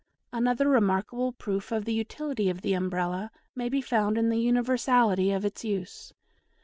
Another remarkable proof of the utility of the Umbrella may be found in the universality of its use.